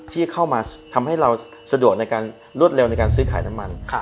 ที่เข้ามาทำให้เราสะดวกในการรวดเร็วในการซื้อขายน้ำมัน